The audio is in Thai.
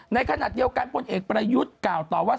ในขณะเดียวกันพลเอกประยุทธ์กล่าวต่อว่า